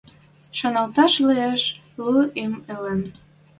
Шаналташ лиэш: лу им ӹлен.